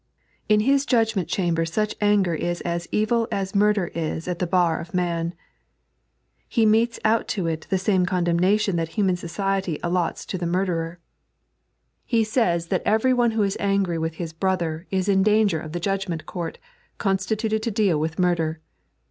In His judgment<!hamber such anger is as evil as murder is at the bar of man. He metes out to it the same condemnation that human society allotfi to the murderer. 3.n.iized by Google 54 LOVB AGAINST AHGBK. He says that every one who is angry with his brother is in dftitger of the judgment court constituted to deal with murder.